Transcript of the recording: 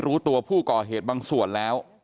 รู้ตัวผู้ก่อเหตุบางส่วนแล้ว